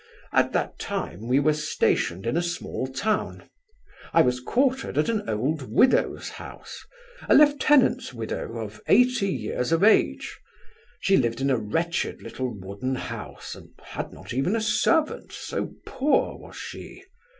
At that time we were stationed in a small town. I was quartered at an old widow's house, a lieutenant's widow of eighty years of age. She lived in a wretched little wooden house, and had not even a servant, so poor was she.